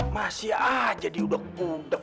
masih aja diuduk uduk